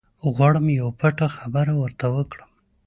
غواړم یوه پټه خبره ورته وکړم.